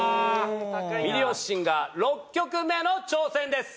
『ミリオンシンガー』６曲目の挑戦です。